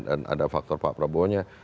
ada faktor pak prabowo nya